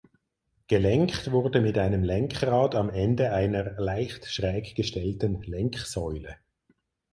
Gelenkt wurde mit einem Lenkrad am Ende einer leicht schräg gestellten Lenksäule.